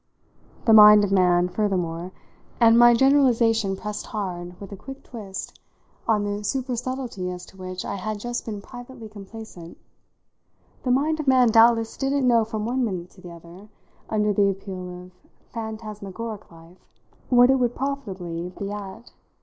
The mind of man, furthermore and my generalisation pressed hard, with a quick twist, on the supersubtlety as to which I had just been privately complacent the mind of man doubtless didn't know from one minute to the other, under the appeal of phantasmagoric life, what it would profitably be at.